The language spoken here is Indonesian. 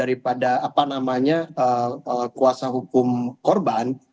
daripada apa namanya kuasa hukum korban